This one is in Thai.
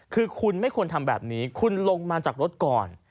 คือคุณไม่ควรทำแบบนี้คุณลงมาจากรถก่อน